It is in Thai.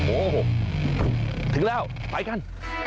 โอ้โหถึงแล้วไปกัน